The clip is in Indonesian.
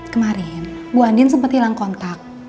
kemarin bu andin sempat hilang kontak